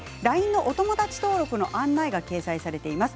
ＬＩＮＥのお友達登録の案内が掲載されています。